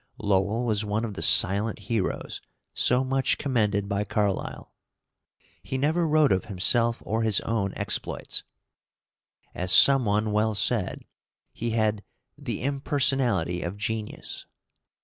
Lowell was one of the silent heroes so much commended by Carlyle. He never wrote of himself or his own exploits. As some one well said, he had "the impersonality of genius."